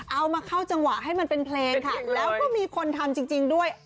เอามาเข้าจังหวะให้มันเป็นเพลงค่ะแล้วก็มีคนทำจริงด้วย